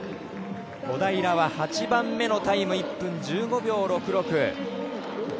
小平は８番目のタイム１分１５秒６６。